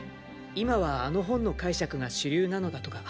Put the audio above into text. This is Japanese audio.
今はあの本の解釈が主流なのだとか。